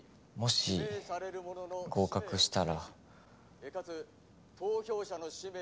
もし合格したら。